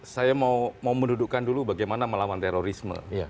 saya mau mendudukkan dulu bagaimana melawan terorisme